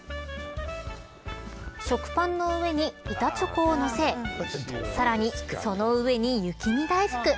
食パンの上に板チョコをのせさらに、その上に雪見だいふく。